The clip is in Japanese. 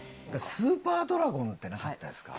スーパードラゴンってなかったですか？